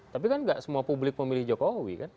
tapi kan gak semua publik memilih jokowi kan